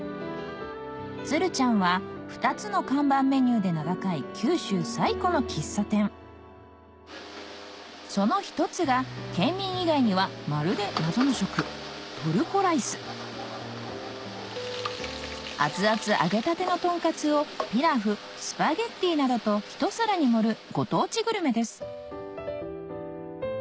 ツル茶んは２つの看板メニューで名高い九州最古の喫茶店その一つが県民以外にはまるで謎の食トルコライス熱々揚げたてのトンカツをピラフスパゲティなどとひと皿に盛るご当地グルメです